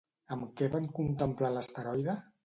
Amb què van contemplar l'asteroide?